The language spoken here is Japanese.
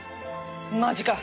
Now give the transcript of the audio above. マジか！？